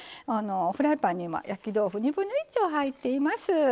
フライパンに焼き豆腐、２分の１入っています。